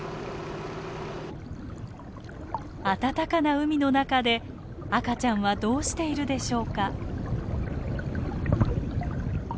あたたかな海の中で赤ちゃんはどうしているでしょうか？